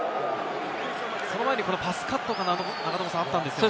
その前にパスカットがあったんですね。